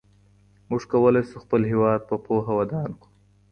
موږ کولای سو خپل هېواد په پوهه ودان کړو.